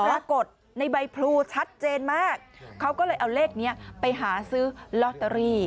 ปรากฏในใบพลูชัดเจนมากเขาก็เลยเอาเลขนี้ไปหาซื้อลอตเตอรี่